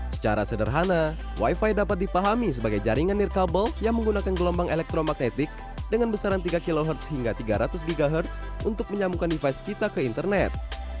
secara sederhana wifi dapat dipahami sebagai jaringan nirkabel yang menggunakan gelombang elektromagnetik dengan besaran tiga khz hingga tiga ratus ghz untuk menyambungkan device kita ke internet